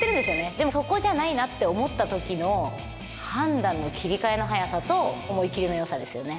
でもそこじゃないなって思ったときの判断の切り替えの速さと思い切りのよさですよね。